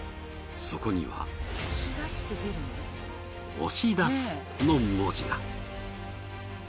そこには「押し出す」の文字が。